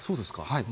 はい。